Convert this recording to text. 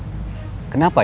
sudah tiga bulan ya